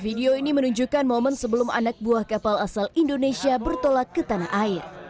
video ini menunjukkan momen sebelum anak buah kapal asal indonesia bertolak ke tanah air